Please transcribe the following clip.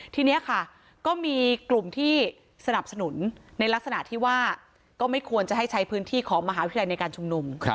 ทีนี้ค่ะก็มีกลุ่มที่สนับสนุนในลักษณะที่ว่าก็ไม่ควรจะให้ใช้พื้นที่ของมหาวิทยาลัยในการชุมนุม